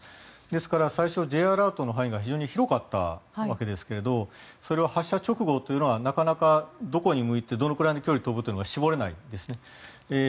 ですから、最初Ｊアラートの範囲が広かったわけですがそれは発射直後というのはどこに向いてどのくらいの距離飛ぶかというのが絞れないんですね。